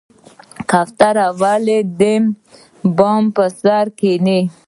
کوتره ولې د بام پر سر کیني؟